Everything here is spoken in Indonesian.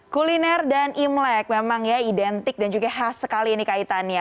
kuliner dan imlek memang ya identik dan juga khas sekali ini kaitannya